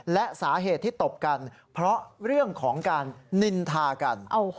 และสาเหตุที่ตบกันเพราะเรื่องของการนินทากัน